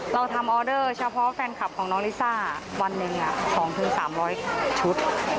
เราทำออเดอร์เฉพาะแฟนคลับของน้องลิซ่าวันหนึ่ง๒๓๐๐ชุด